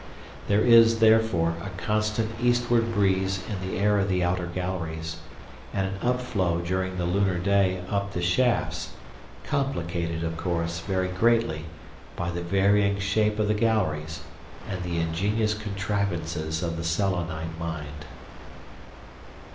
There is, therefore, a constant eastward breeze in the air of the outer galleries, and an upflow during the lunar day up the shafts, complicated, of course, very greatly by the varying shape of the galleries, and the ingenious contrivances of the Selenite mind....